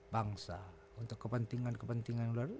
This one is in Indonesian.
bangsa untuk kepentingan kepentingan luar